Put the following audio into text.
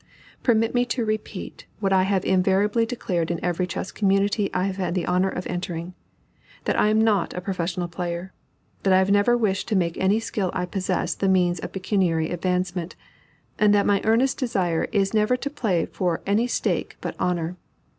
Permit me to repeat what I have invariably declared in every chess community I have had the honor of entering, that I am not a professional player that I never wished to make any skill I possess the means of pecuniary advancement and that my earnest desire is never to play for any stake but honor.